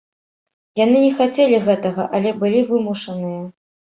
Яны не хацелі гэтага, але былі вымушаныя.